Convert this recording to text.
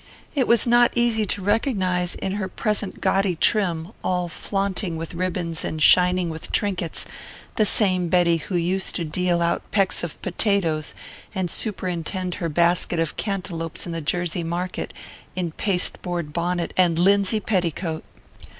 It was not easy to recognise, in her present gaudy trim, all flaunting with ribbons and shining with trinkets, the same Betty who used to deal out pecks of potatoes and superintend her basket of cantaloupes in the Jersey market, in pasteboard bonnet and linsey petticoat.